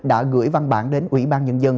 đã gửi văn bản đến ủy ban nhân dân